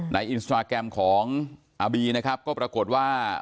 อินสตราแกรมของอาบีนะครับก็ปรากฏว่า